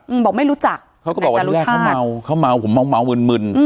อืมบอกไม่รู้จักเขาก็บอกวันแรกเขาเมาเขาเมาผมเมาเมามึนมึน